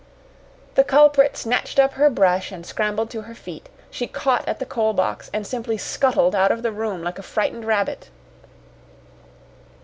The culprit snatched up her brush, and scrambled to her feet. She caught at the coal box and simply scuttled out of the room like a frightened rabbit.